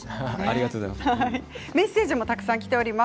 メッセージもたくさんきています。